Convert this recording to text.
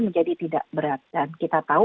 menjadi tidak berat dan kita tahu